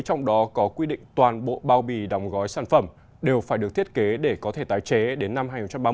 trong đó có quy định toàn bộ bao bì đóng gói sản phẩm đều phải được thiết kế để có thể tái chế đến năm hai nghìn ba mươi